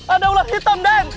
ada alam hitam dan